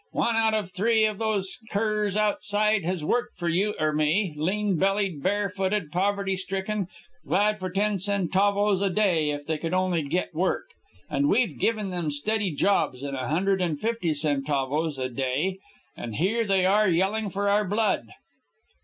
"One out of three of those curs outside has worked for you or me lean bellied, barefooted, poverty stricken, glad for ten centavos a day if they could only get work. And we've given them steady jobs and a hundred and fifty centavos a a day, and here they are yelling for our blood."